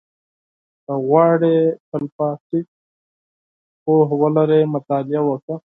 • که غواړې تلپاتې پوهه ولرې، مطالعه وکړه.